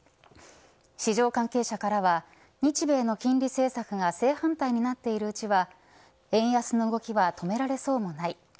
市場関係者からは日米の金利政策が正反対になっているうちは円安の動きは止められそうもない。